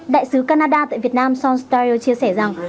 đại sứ canada tại việt nam sean steyer chia sẻ rằng